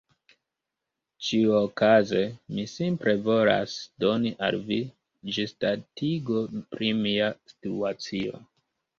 Ĉiuokaze, mi simple volas doni al vi ĝisdatigon pri mia situacio.